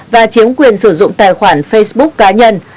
và chiếm quyền sử dụng tài khoản facebook cá nhân